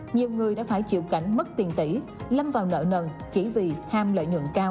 nhiều người đã phải chịu cảnh mất tiền tỷ lâm vào nợ nần chỉ vì ham lợi nhuận cao